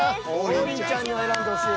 ［王林ちゃんには選んでほしい］